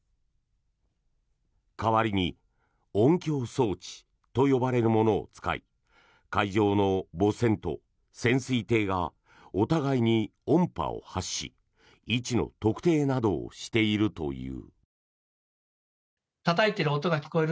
代わりに音響装置と呼ばれるものを使い海上の母船と潜水艇がお互いに音波を発し位置の特定などをしているという。